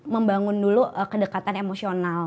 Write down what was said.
membangun dulu kedekatan emosional